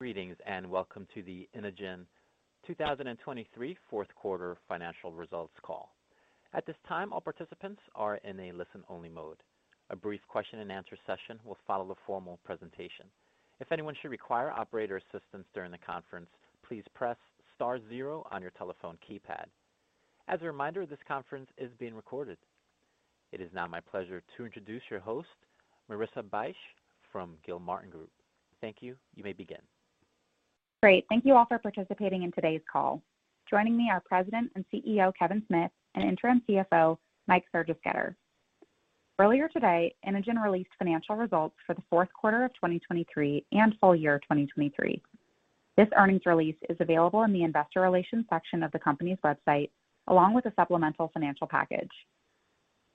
Greetings, and welcome to the Inogen 2023 Q4 financial results call. At this time, all participants are in a listen-only mode. A brief question and answer session will follow the formal presentation. If anyone should require operator assistance during the conference, please press star zero on your telephone keypad. As a reminder, this conference is being recorded. It is now my pleasure to introduce your host, Marissa Bych from Gilmartin Group. Thank you. You may begin. Great. Thank you all for participating in today's call. Joining me are President and CEO, Kevin Smith, and Interim CFO, Mike Sergesketter. Earlier today, Inogen released financial results for the Q4 of 2023 and full year 2023. This earnings release is available in the investor relations section of the company's website, along with a supplemental financial package.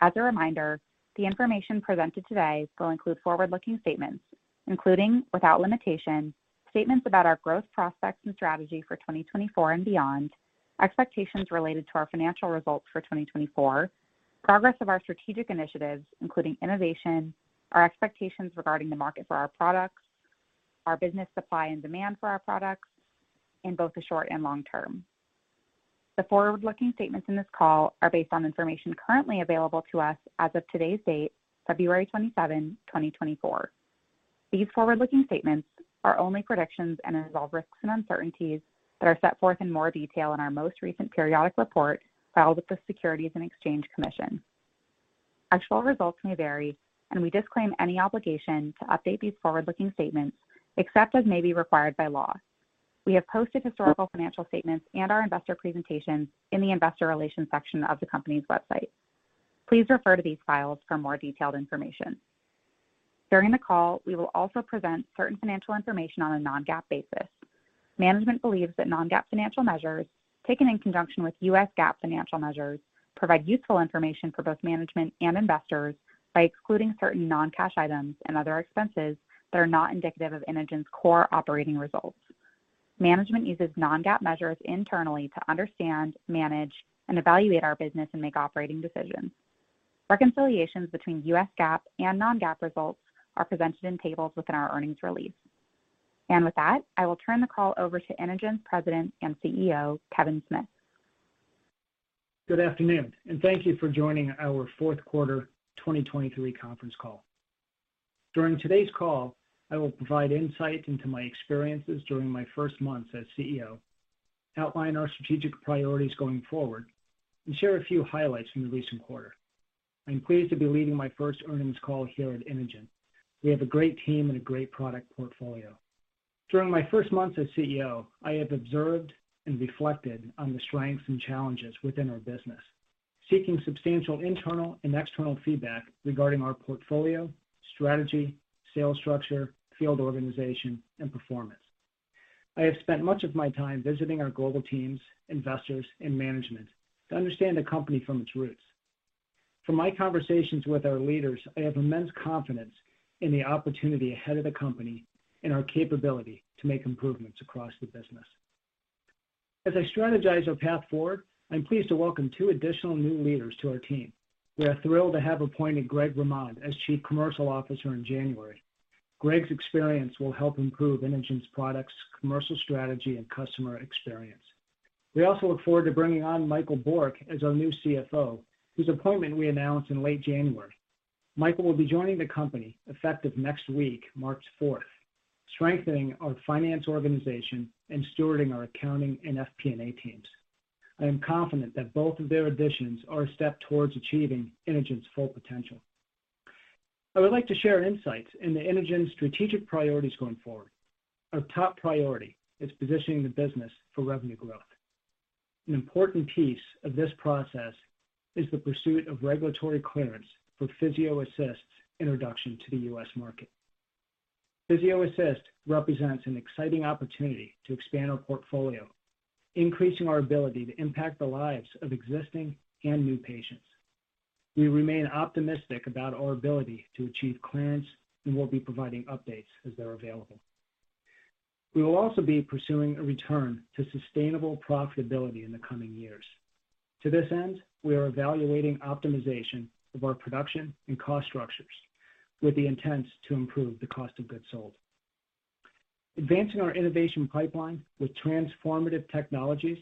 As a reminder, the information presented today will include forward-looking statements, including without limitation, statements about our growth prospects and strategy for 2024 and beyond, expectations related to our financial results for 2024, progress of our strategic initiatives, including innovation, our expectations regarding the market for our products, our business supply and demand for our products in both the short and long term. The forward-looking statements in this call are based on information currently available to us as of today's date, February 27, 2024. These forward-looking statements are only predictions and involve risks and uncertainties that are set forth in more detail in our most recent periodic report filed with the Securities and Exchange Commission. Actual results may vary, and we disclaim any obligation to update these forward-looking statements except as may be required by law. We have posted historical financial statements and our investor presentation in the investor relations section of the company's website. Please refer to these files for more detailed information. During the call, we will also present certain financial information on a non-GAAP basis. Management believes that non-GAAP financial measures, taken in conjunction with U.S. GAAP financial measures, provide useful information for both management and investors by excluding certain non-cash items and other expenses that are not indicative of Inogen's core operating results. Management uses non-GAAP measures internally to understand, manage, and evaluate our business and make operating decisions. Reconciliations between U.S. GAAP and non-GAAP results are presented in tables within our earnings release. With that, I will turn the call over to Inogen President and CEO, Kevin Smith. Good afternoon, and thank you for joining our Q4 2023 conference call. During today's call, I will provide insight into my experiences during my first months as CEO, outline our strategic priorities going forward, and share a few highlights from the recent quarter. I'm pleased to be leading my first earnings call here at Inogen. We have a great team and a great product portfolio. During my first months as CEO, I have observed and reflected on the strengths and challenges within our business, seeking substantial internal and external feedback regarding our portfolio, strategy, sales structure, field organization, and performance. I have spent much of my time visiting our global teams, investors, and management to understand the company from its roots. From my conversations with our leaders, I have immense confidence in the opportunity ahead of the company and our capability to make improvements across the business. As I strategize our path forward, I'm pleased to welcome two additional new leaders to our team. We are thrilled to have appointed Gregoire Ramade as Chief Commercial Officer in January. Greg's experience will help improve Inogen's products, commercial strategy, and customer experience. We also look forward to bringing on Michael Bourque as our new CFO, whose appointment we announced in late January. Michael will be joining the company effective next week, March fourth, strengthening our finance organization and stewarding our accounting and FP&A teams. I am confident that both of their additions are a step towards achieving Inogen's full potential. I would like to share insights into Inogen's strategic priorities going forward. Our top priority is positioning the business for revenue growth. An important piece of this process is the pursuit of regulatory clearance for PhysioAssist's introduction to the US market. PhysioAssist represents an exciting opportunity to expand our portfolio, increasing our ability to impact the lives of existing and new patients. We remain optimistic about our ability to achieve clearance, and we'll be providing updates as they're available. We will also be pursuing a return to sustainable profitability in the coming years. To this end, we are evaluating optimization of our production and cost structures with the intent to improve the cost of goods sold. Advancing our innovation pipeline with transformative technologies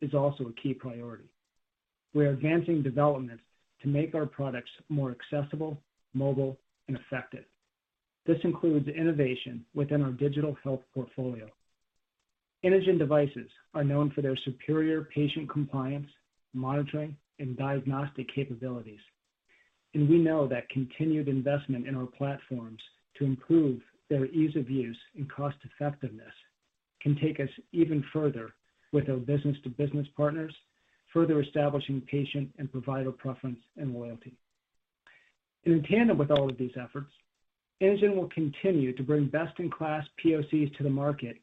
is also a key priority. We are advancing developments to make our products more accessible, mobile, and effective. This includes innovation within our digital health portfolio. Inogen devices are known for their superior patient compliance, monitoring, and diagnostic capabilities, and we know that continued investment in our platforms to improve their ease of use and cost-effectiveness can take us even further with our business-to-business partners, further establishing patient and provider preference and loyalty. In tandem with all of these efforts, Inogen will continue to bring best-in-class POCs to the market,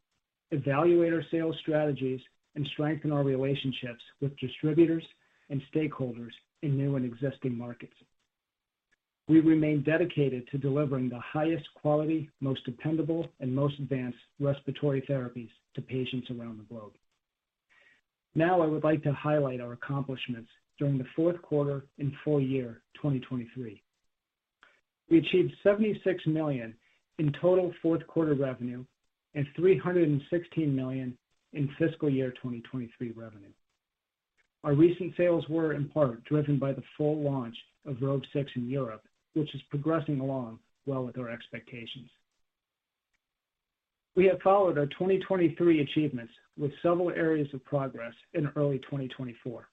evaluate our sales strategies, and strengthen our relationships with distributors and stakeholders in new and existing markets. We remain dedicated to delivering the highest quality, most dependable, and most advanced respiratory therapies to patients around the globe. Now I would like to highlight our accomplishments during the Q4 and full year 2023. We achieved $76 million in total Q4 revenue and $316 million in fiscal year 2023 revenue. Our recent sales were in part driven by the full launch of Rove 6 in Europe, which is progressing along well with our expectations. We have followed our 2023 achievements with several areas of progress in early 2024.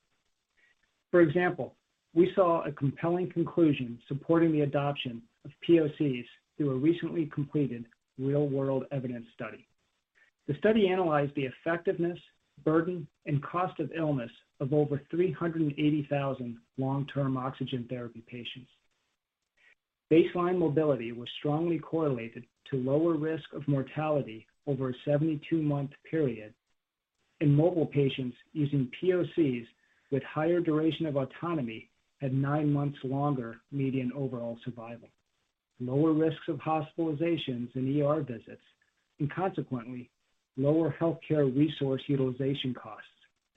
For example, we saw a compelling conclusion supporting the adoption of POCs through a recently completed real-world evidence study. The study analyzed the effectiveness, burden, and cost of illness of over 380,000 long-term oxygen therapy patients. Baseline mobility was strongly correlated to lower risk of mortality over a 72-month period, and mobile patients using POCs with higher duration of autonomy had 9 months longer median overall survival, lower risks of hospitalizations and ER visits, and consequently, lower healthcare resource utilization costs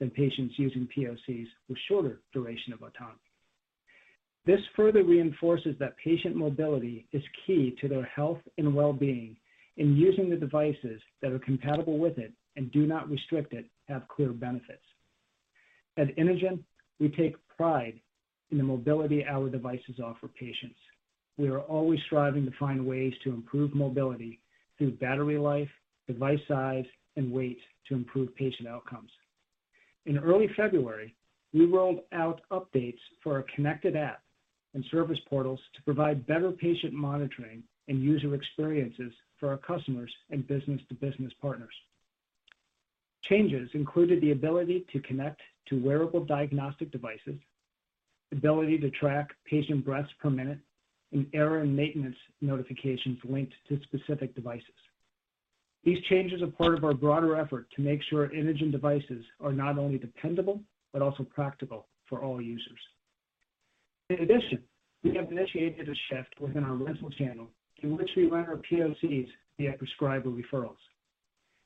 than patients using POCs with shorter duration of autonomy. This further reinforces that patient mobility is key to their health and well-being, and using the devices that are compatible with it and do not restrict it have clear benefits. At Inogen, we take pride in the mobility our devices offer patients. We are always striving to find ways to improve mobility through battery life, device size, and weight to improve patient outcomes. In early February, we rolled out updates for our connected app and service portals to provide better patient monitoring and user experiences for our customers and business-to-business partners. Changes included the ability to connect to wearable diagnostic devices, ability to track patient breaths per minute, and error and maintenance notifications linked to specific devices. These changes are part of our broader effort to make sure Inogen devices are not only dependable but also practical for all users. In addition, we have initiated a shift within our rental channel through which we rent our POCs via prescriber referrals.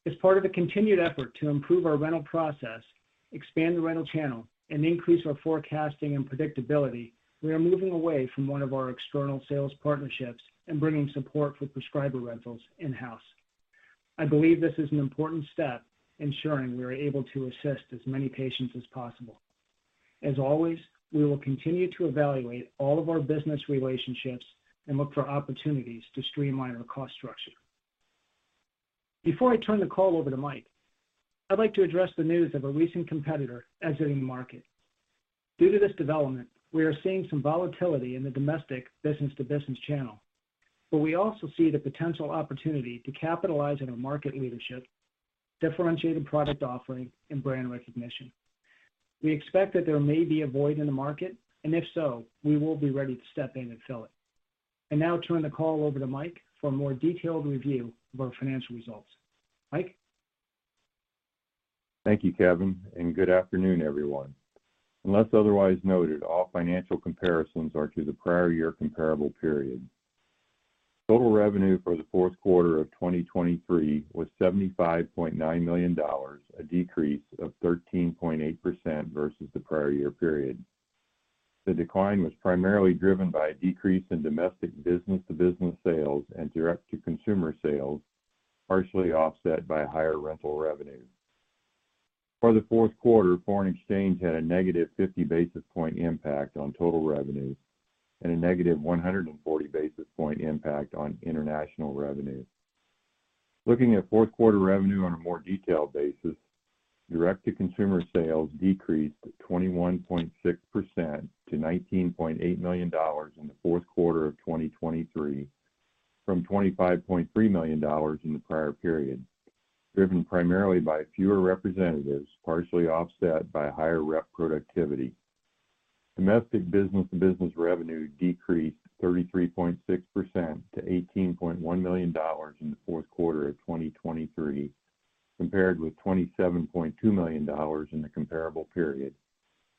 As part of a continued effort to improve our rental process, expand the rental channel, and increase our forecasting and predictability, we are moving away from one of our external sales partnerships and bringing support for prescriber rentals in-house. I believe this is an important step, ensuring we are able to assist as many patients as possible. As always, we will continue to evaluate all of our business relationships and look for opportunities to streamline our cost structure. Before I turn the call over to Mike, I'd like to address the news of a recent competitor exiting the market. Due to this development, we are seeing some volatility in the domestic business-to-business channel, but we also see the potential opportunity to capitalize on our market leadership, differentiated product offering, and brand recognition. We expect that there may be a void in the market, and if so, we will be ready to step in and fill it. I now turn the call over to Mike for a more detailed review of our financial results. Mike? Thank you, Kevin, and good afternoon, everyone. Unless otherwise noted, all financial comparisons are to the prior year comparable period. Total revenue for the Q4 of 2023 was $75.9 million, a decrease of 13.8% versus the prior year period. The decline was primarily driven by a decrease in domestic business-to-business sales and direct-to-consumer sales, partially offset by higher rental revenue. For the Q4, foreign exchange had a negative fifty basis point impact on total revenue and a negative one hundred and forty basis point impact on international revenue. Looking at Q4 revenue on a more detailed basis, direct-to-consumer sales decreased to 21.6% to $19.8 million in the Q4 of 2023, from $25.3 million in the prior period, driven primarily by fewer representatives, partially offset by higher rep productivity. Domestic business-to-business revenue decreased 33.6% to $18.1 million in the Q4 of 2023, compared with $27.2 million in the comparable period,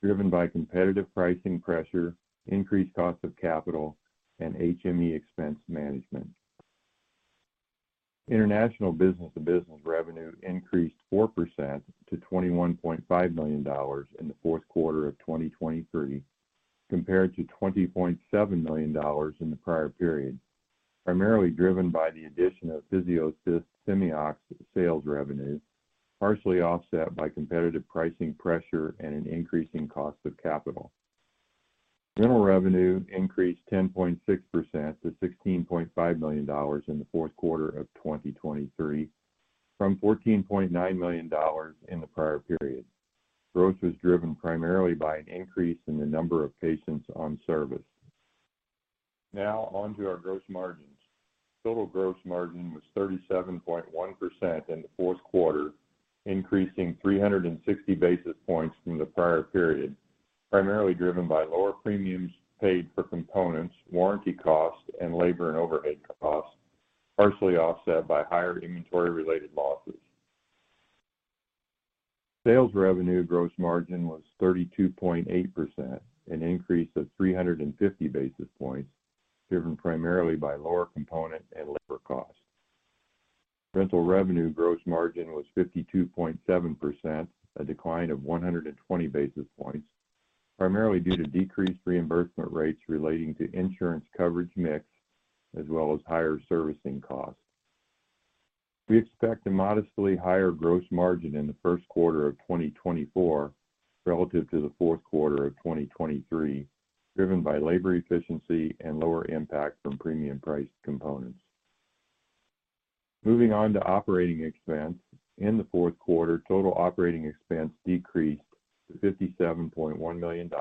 driven by competitive pricing pressure, increased cost of capital, and HME expense management. International business-to-business revenue increased 4% to $21.5 million in the Q4 of 2023, compared to $20.7 million in the prior period, primarily driven by the addition of PhysioAssist Simeox sales revenue, partially offset by competitive pricing pressure and an increase in cost of capital. General revenue increased 10.6% to $16.5 million in the Q4 of 2023 from $14.9 million in the prior period. Growth was driven primarily by an increase in the number of patients on service. Now, on to our gross margins. Total gross margin was 37.1% in the Q4, increasing 360 basis points from the prior period, primarily driven by lower premiums paid for components, warranty costs, and labor and overhead costs, partially offset by higher inventory-related losses. Sales revenue gross margin was 32.8%, an increase of 350 basis points, driven primarily by lower component and labor costs. Rental revenue gross margin was 52.7%, a decline of 120 basis points, primarily due to decreased reimbursement rates relating to insurance coverage mix, as well as higher servicing costs. We expect a modestly higher gross margin in the Q1 of 2024 relative to the Q4 of 2023, driven by labor efficiency and lower impact from premium price components. Moving on to operating expense. In the Q4, total operating expense decreased to $57.1 million,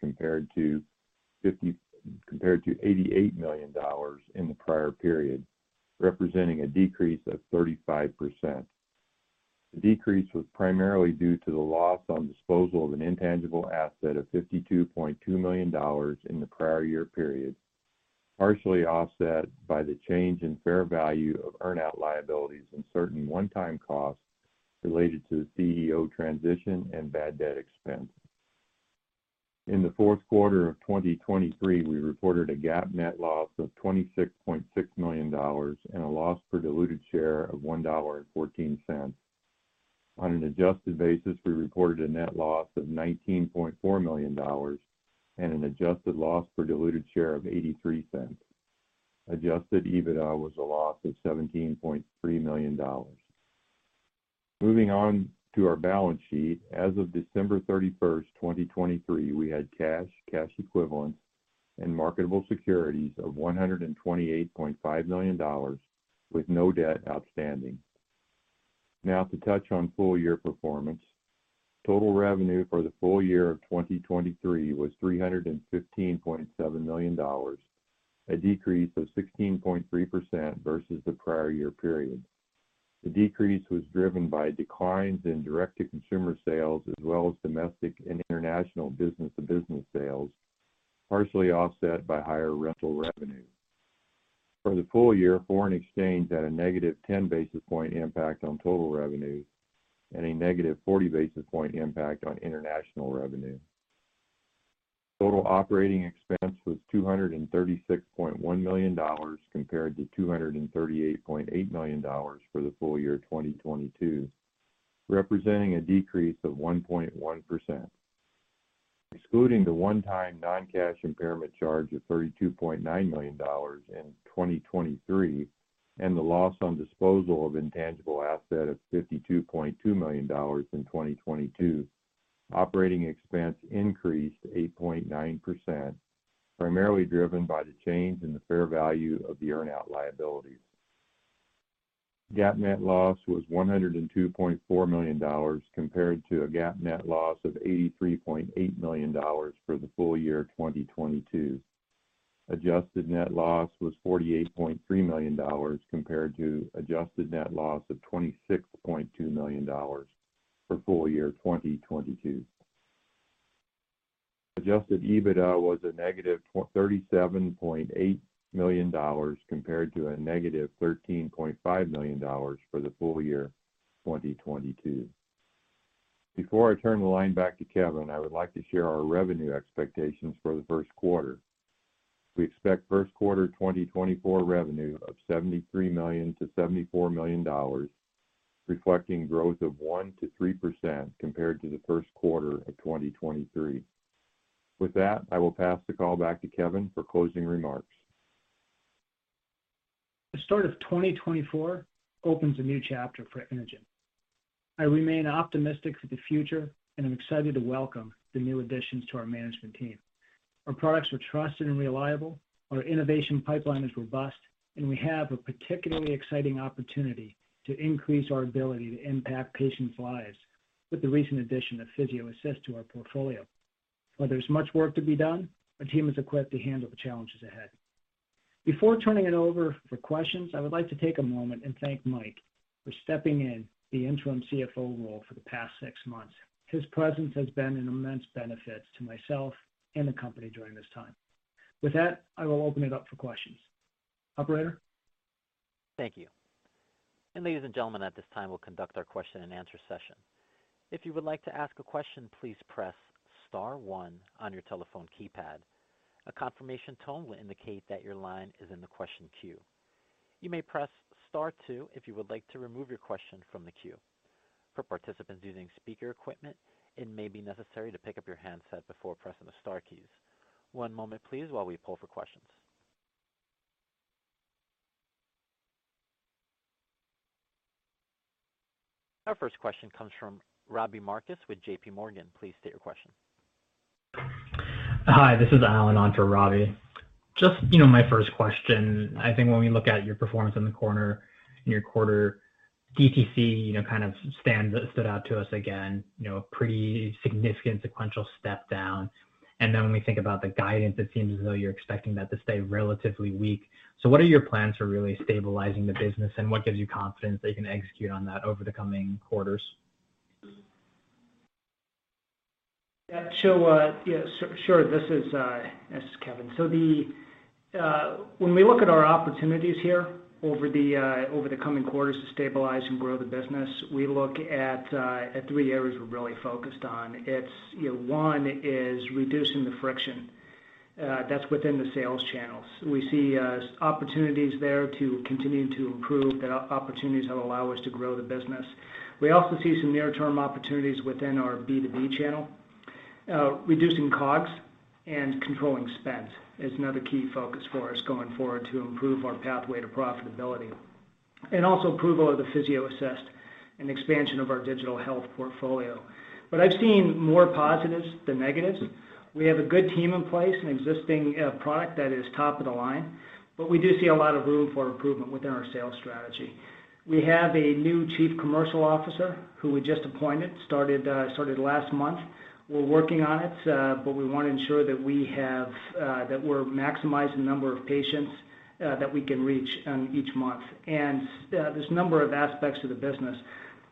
compared to $88 million in the prior period, representing a decrease of 35%. The decrease was primarily due to the loss on disposal of an intangible asset of $52.2 million in the prior year period, partially offset by the change in fair value of earn-out liabilities and certain one-time costs related to the CEO transition and bad debt expense. In the Q4 of 2023, we reported a GAAP net loss of $26.6 million and a loss per diluted share of $1.14. On an adjusted basis, we reported a net loss of $19.4 million and an adjusted loss per diluted share of $0.83. Adjusted EBITDA was a loss of $17.3 million. Moving on to our balance sheet. As of December 31, 2023, we had cash, cash equivalents, and marketable securities of $128.5 million, with no debt outstanding. Now to touch on full year performance. Total revenue for the full year of 2023 was $315.7 million, a decrease of 16.3% versus the prior year period. The decrease was driven by declines in direct-to-consumer sales, as well as domestic and international business-to-business sales, partially offset by higher rental revenue. For the full year, foreign exchange had a negative 10 basis points impact on total revenue and a negative 40 basis points impact on international revenue. Total operating expense was $236.1 million, compared to $238.8 million for the full year 2022, representing a decrease of 1.1%. Excluding the one-time non-cash impairment charge of $32.9 million in 2023 and the loss on disposal of intangible asset of $52.2 million in 2022, operating expense increased 8.9%, primarily driven by the change in the fair value of the earn-out liabilities. GAAP net loss was $102.4 million, compared to a GAAP net loss of $83.8 million for the full year 2022. Adjusted net loss was $48.3 million, compared to adjusted net loss of $26.2 million for full year 2022. Adjusted EBITDA was -$37.8 million, compared to -$13.5 million for the full year 2022. Before I turn the line back to Kevin, I would like to share our revenue expectations for the Q1. We expect Q1 2024 revenue of $73 million-$74 million, reflecting growth of 1%-3% compared to the Q1 of 2023. With that, I will pass the call back to Kevin for closing remarks. The start of 2024 opens a new chapter for Inogen. I remain optimistic for the future, and I'm excited to welcome the new additions to our management team. Our products are trusted and reliable, our innovation pipeline is robust, and we have a particularly exciting opportunity to increase our ability to impact patients' lives with the recent addition of PhysioAssist to our portfolio. While there's much work to be done, our team is equipped to handle the challenges ahead. Before turning it over for questions, I would like to take a moment and thank Mike for stepping in the interim CFO role for the past six months. His presence has been an immense benefit to myself and the company during this time. With that, I will open it up for questions. Operator? Thank you. Ladies and gentlemen, at this time, we'll conduct our question-and-answer session. If you would like to ask a question, please press star one on your telephone keypad. A confirmation tone will indicate that your line is in the question queue. You may press star two if you would like to remove your question from the queue. For participants using speaker equipment, it may be necessary to pick up your handset before pressing the star keys. One moment please, while we pull for questions. Our first question comes from Robbie Marcus with J.P. Morgan. Please state your question. Hi, this is Allen, onto Robbie. Just, you know, my first question: I think when we look at your performance in the quarter, DTC, you know, kind of stood out to us again, you know, pretty significant sequential step down. And then when we think about the guidance, it seems as though you're expecting that to stay relatively weak. So what are your plans for really stabilizing the business, and what gives you confidence that you can execute on that over the coming quarters? Yeah, sure. This is Kevin. So when we look at our opportunities here over the coming quarters to stabilize and grow the business, we look at three areas we're really focused on. It's, you know, one is reducing the friction.... that's within the sales channels. We see opportunities there to continue to improve, the opportunities that allow us to grow the business. We also see some near-term opportunities within our B2B channel. Reducing COGS and controlling spend is another key focus for us going forward to improve our pathway to profitability. Also approval of the PhysioAssist and expansion of our digital health portfolio. But I've seen more positives than negatives. We have a good team in place, an existing product that is top-of-the-line, but we do see a lot of room for improvement within our sales strategy. We have a new Chief Commercial Officer, who we just appointed, started last month. We're working on it, but we wanna ensure that we're maximizing the number of patients that we can reach on each month. There's a number of aspects to the business,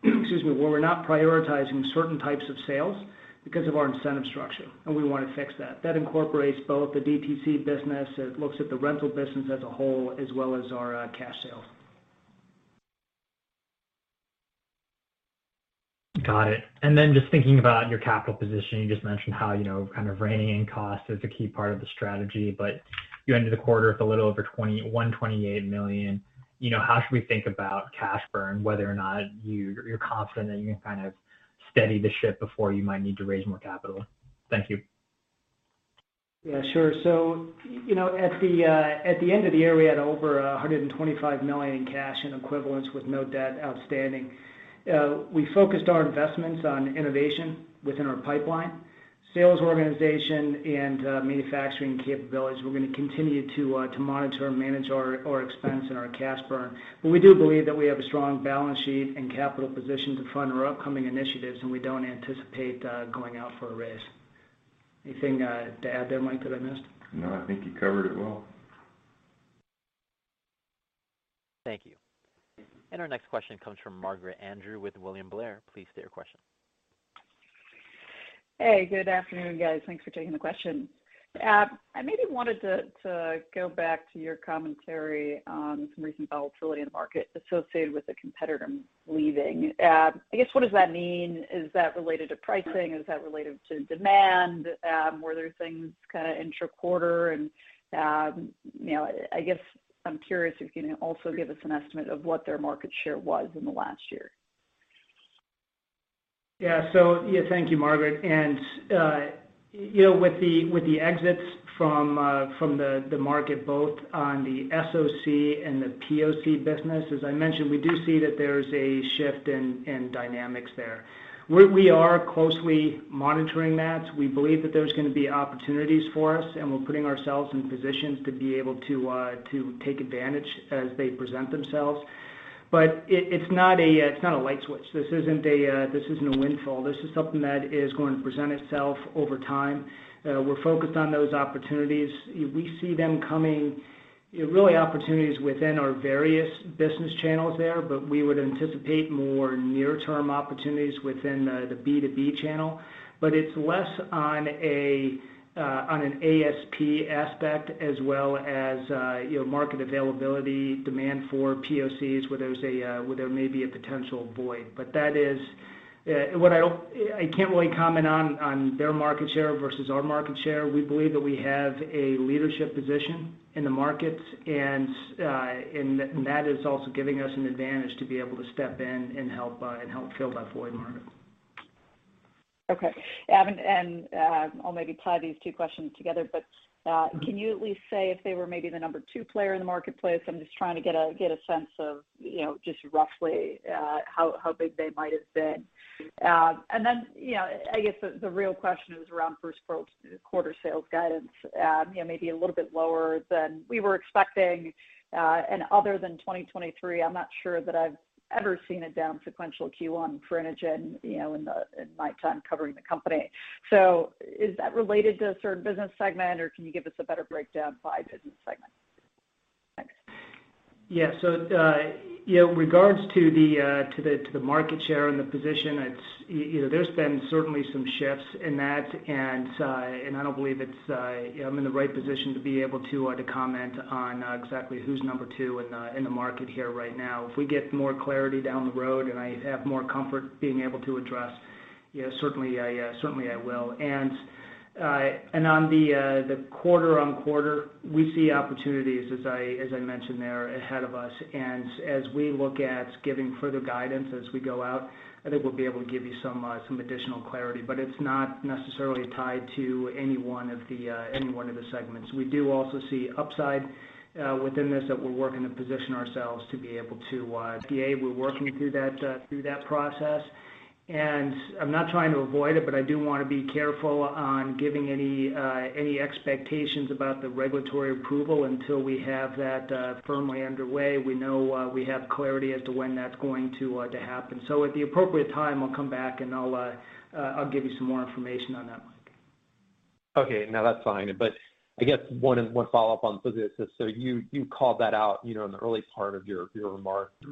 excuse me, where we're not prioritizing certain types of sales because of our incentive structure, and we wanna fix that. That incorporates both the DTC business, it looks at the rental business as a whole, as well as our cash sales. Got it. And then just thinking about your capital position, you just mentioned how, you know, kind of reining in cost is a key part of the strategy, but you ended the quarter with a little over $28 million. You know, how should we think about cash burn, whether or not you're confident that you can kind of steady the ship before you might need to raise more capital? Thank you. Yeah, sure. So, you know, at the end of the year, we had over $125 million in cash and equivalents, with no debt outstanding. We focused our investments on innovation within our pipeline, sales organization, and manufacturing capabilities. We're gonna continue to monitor and manage our expense and our cash burn. But we do believe that we have a strong balance sheet and capital position to fund our upcoming initiatives, and we don't anticipate going out for a raise. Anything to add there, Mike, that I missed? No, I think you covered it well. Thank you. Our next question comes from Margaret Andrew with William Blair. Please state your question. Hey, good afternoon, guys. Thanks for taking the question. I maybe wanted to go back to your commentary on some recent volatility in the market associated with a competitor leaving. I guess, what does that mean? Is that related to pricing? Is that related to demand? Were there things kind of intra-quarter? And, you know, I guess I'm curious if you can also give us an estimate of what their market share was in the last year. Yeah. So, yeah, thank you, Margaret, and, you know, with the, with the exits from, from the, the market, both on the SOC and the POC business, as I mentioned, we do see that there's a shift in, in dynamics there. We, we are closely monitoring that. We believe that there's gonna be opportunities for us, and we're putting ourselves in positions to be able to, to take advantage as they present themselves. But it's not a, it's not a light switch. This isn't a, this isn't a windfall. This is something that is going to present itself over time. We're focused on those opportunities. We see them coming... Really opportunities within our various business channels there, but we would anticipate more near-term opportunities within the, the B2B channel. But it's less on a, on an ASP aspect as well as, you know, market availability, demand for POCs, where there's a, where there may be a potential void. But that is, I can't really comment on, on their market share versus our market share. We believe that we have a leadership position in the market, and, and that is also giving us an advantage to be able to step in and help, and help fill that void, Margaret. Okay. I'll maybe tie these two questions together, but Can you at least say if they were maybe the number two player in the marketplace? I'm just trying to get a sense of, you know, just roughly, how big they might have been. And then, you know, I guess the real question is around first-quarter sales guidance. You know, maybe a little bit lower than we were expecting, and other than 2023, I'm not sure that I've ever seen a down sequential Q1 for Inogen, you know, in the- in my time covering the company. So is that related to a certain business segment, or can you give us a better breakdown by business segment? Thanks. Yeah. So, you know, in regards to the, to the market share and the position, it's... you know, there's been certainly some shifts in that, and, and I don't believe it's, I'm in the right position to be able to, to comment on, exactly who's number two in the, in the market here right now. If we get more clarity down the road, and I have more comfort being able to address, yeah, certainly, I, certainly I will. And, and on the, the quarter on quarter, we see opportunities, as I, as I mentioned, there ahead of us. And as we look at giving further guidance as we go out, I think we'll be able to give you some, some additional clarity. It's not necessarily tied to any one of the segments. We do also see upside within this, that we're working to position ourselves to be able to play. We're working through that process. I'm not trying to avoid it, but I do wanna be careful on giving any expectations about the regulatory approval until we have that firmly underway. We know we have clarity as to when that's going to happen. At the appropriate time, I'll come back, and I'll give you some more information on that, Mike. Okay. No, that's fine, but I guess one follow-up on PhysioAssist. So you called that out, you know, in the early part of your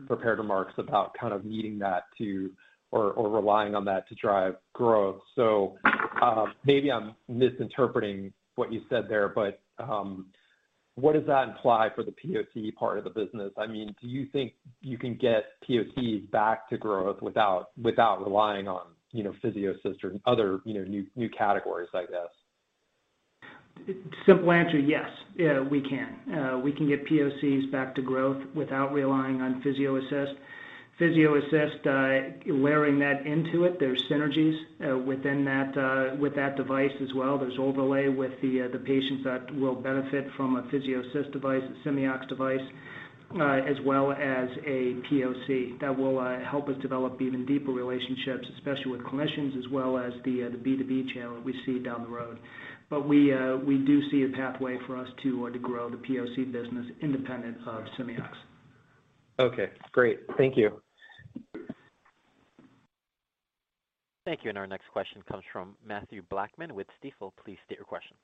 prepared remarks about kind of needing that to or relying on that to drive growth. So, maybe I'm misinterpreting what you said there, but,... What does that imply for the POC part of the business? I mean, do you think you can get POCs back to growth without relying on, you know, PhysioAssist or other, you know, new categories, I guess? Simple answer, yes. Yeah, we can. We can get POCs back to growth without relying on PhysioAssist. PhysioAssist, layering that into it, there's synergies within that with that device as well. There's overlay with the patients that will benefit from a PhysioAssist device, a Simeox device, as well as a POC. That will help us develop even deeper relationships, especially with clinicians, as well as the B2B channel that we see down the road. But we do see a pathway for us to grow the POC business independent of Simeox. Okay, great. Thank you. Thank you. Our next question comes from Mathew Blackman with Stifel. Please state your question.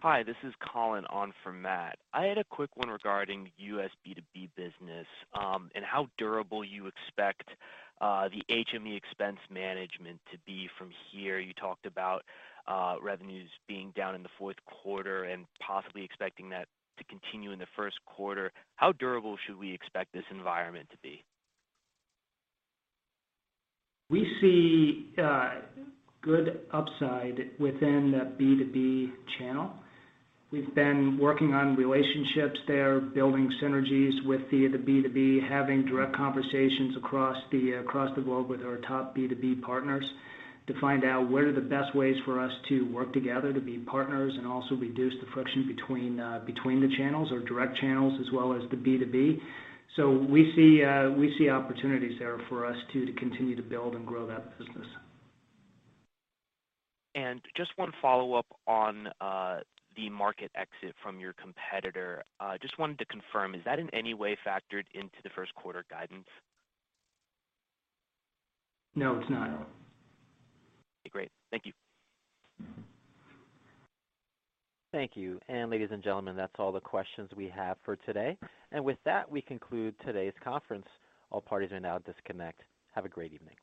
Hi, this is Colin, on for Matt. I had a quick one regarding US B2B business, and how durable you expect the HME expense management to be from here. You talked about revenues being down in the Q4 and possibly expecting that to continue in the Q1. How durable should we expect this environment to be? We see good upside within the B2B channel. We've been working on relationships there, building synergies with the B2B, having direct conversations across the globe with our top B2B partners, to find out what are the best ways for us to work together to be partners and also reduce the friction between the channels, or direct channels as well as the B2B. So we see opportunities there for us to continue to build and grow that business. Just one follow-up on the market exit from your competitor. Just wanted to confirm, is that in any way factored into the Q1 guidance? No, it's not. Okay, great. Thank you. Thank you. Ladies and gentlemen, that's all the questions we have for today. With that, we conclude today's conference. All parties may now disconnect. Have a great evening.